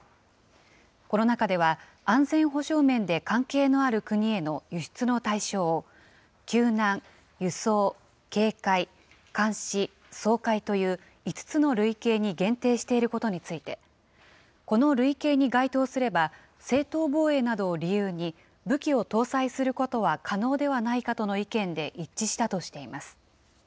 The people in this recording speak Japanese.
この中では、安全保障面で関係のある国への輸出の対象を、救難、輸送、警戒、監視、掃海という５つの類型に限定していることについて、この類型に該当すれば、正当防衛などを理由に武器を搭載することは可能ではないかとの意見で一致したとしています。